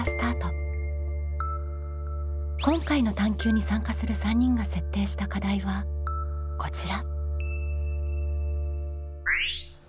今回の探究に参加する３人が設定した課題はこちら。